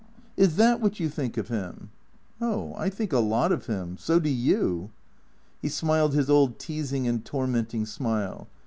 " Is that what you think of him ?"" Oh, I think a lot of him. So do you." He smiled his old teasing and tormenting smile.